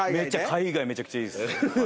海外めっちゃくちゃいいです。